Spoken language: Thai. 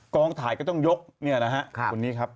กองถ่ายก็ต้องยกเนี่ยนะฮะคนนี้ครับ